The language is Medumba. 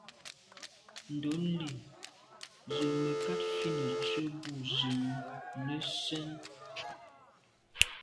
Ndɔ̌lî zə̀ mə̀kát fít nə̀ tswə́ bû zə̀ nə́ sɛ́n.